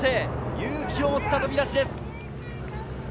勇気を持った飛び出しです。